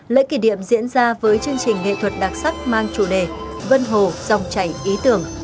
lễ kỷ niệm diễn ra với chương trình nghệ thuật đặc sắc mang chủ đề vân hồ dòng chảy ý tưởng